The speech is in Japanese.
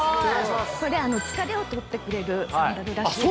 これ疲れを取ってくれるサンダルらしいです。